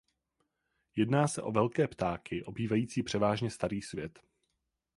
Jedná se o velké ptáky obývající převážně Starý svět.